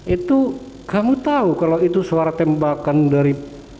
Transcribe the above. itu kamu tahu kalau itu suara tembakan dari